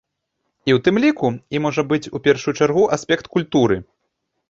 І ў тым ліку, і, можа быць, у першую чаргу, аспект культуры.